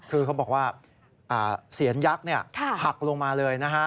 คือเขาบอกว่าเสียนยักษ์หักลงมาเลยนะฮะ